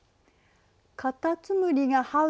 カタツムリがはう